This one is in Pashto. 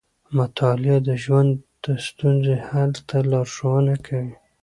مطالعه د ژوند د ستونزو حل ته لارښونه کوي.